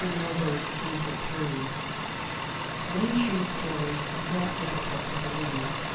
MILBURGH SEES IT THROUGH Ling Chu's story was not difficult to believe.